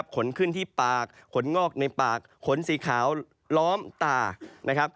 ขนขึ้นที่ปากขนงอกในปากขนสีขาวล้อมตานะครับ